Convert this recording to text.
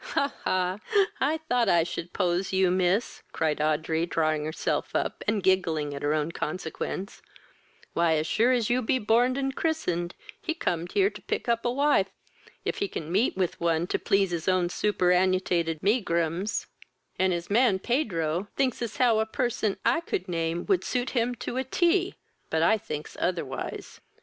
"Ha, ha! I thought I should poze you, miss, (cried Audrey, drawing herself up, and giggling at her own consequence,) why, as sure as you be borned and christened, he comed here to pick up a wife, if he can meet with one to please his own superannuated meagrims; and his man, Pedro, thinks as how a person I could name would suit him to a tee, but I thinks otherwise.